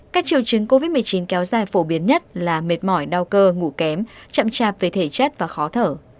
các triệu chứng covid một mươi chín kéo dài phổ biến nhất là mệt mỏi đau cơ ngủ kém chậm chạp về thể chất và khó thở